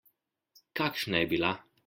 Kakšna je bila?